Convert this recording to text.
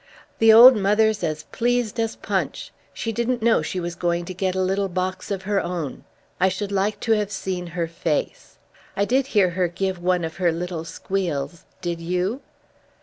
"The old mother's as pleased as Punch. She didn't know she was going to get a little box of her own. I should like to have seen her face. I did hear her give one of her little squeals. Did you?"